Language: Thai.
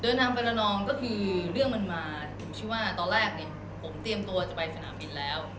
เดินทางเพื่อนน้องก็คือเรื่องมันมาตอนแรกผมเตรียมตัวจะไปสถานบินแล้ว